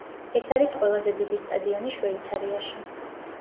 ეს არის ყველაზე დიდი სტადიონი შვეიცარიაში.